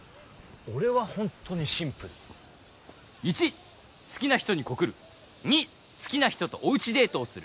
俺はホントにシンプル１好きな人に告る２好きな人とおうちデートをする